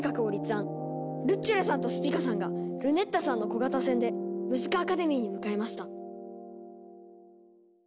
ルッチョラさんとスピカさんがルネッタさんの小型船でムジカ・アカデミーに向かいました